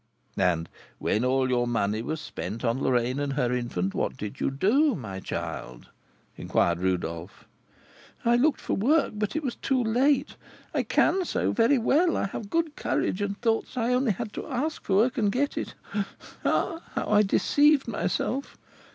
"And when all your money was spent on Lorraine and her infant, what did you do, my child?" inquired Rodolph. "I looked out for work; but it was too late. I can sew very well, I have good courage, and thought that I had only to ask for work and get it. Ah! how I deceived myself!